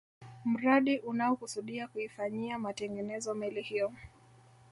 Mradi unaokusudia kuifanyia matengenezo meli hiyo